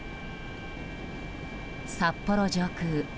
札幌上空。